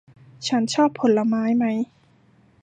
ฉันชอบผลไม้ไหม